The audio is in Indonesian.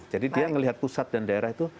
jadi dia melihat pusat dan daerah itu